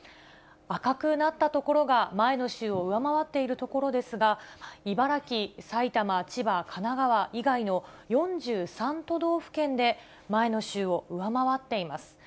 赤くなった所が、前の週を上回っているところですが、茨城、埼玉、千葉、神奈川以外の４３都道府県で、前の週を上回っています。